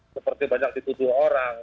seperti banyak dituduh orang